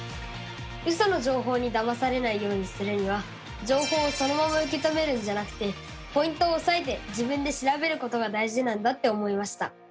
ウソの情報にだまされないようにするには情報をそのまま受け止めるんじゃなくてポイントをおさえて自分で調べることが大事なんだって思いました！